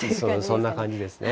そんな感じですね。